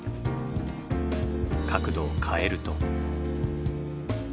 角度を変えると。